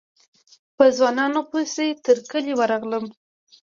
په ځوانانو پسې تر کلي ورغلم.